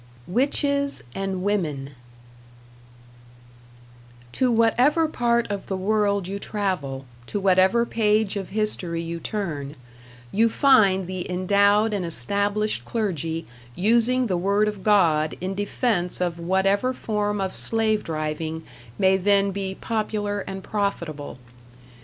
#Witches and Women# To whatever part of the world you travel, to whatever page of history you turn, you find the endowed and established clergy using the word of God in defense of whatever form of slave driving may then be popular and profitable.